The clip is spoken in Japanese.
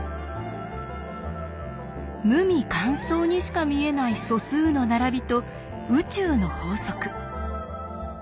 無味乾燥にしか見えない素数の並びと宇宙の法則。